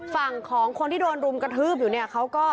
ฝั่งของคนที่โดนรุมกระทืบอยู่เนี่ยเขาก็